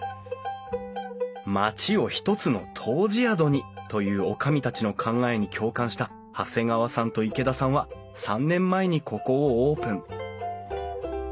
町を一つの湯治宿にという女将たちの考えに共感した長谷川さんと池田さんは３年前にここをオープン。